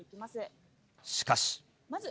しかし。